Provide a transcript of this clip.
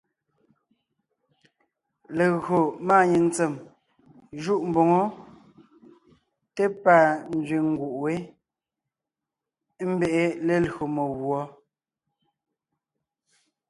Legÿo máanyìŋ ntsèm jûʼ mboŋó té pâ nzẅìŋ nguʼ wé, ḿbe’e lelÿò meguɔ.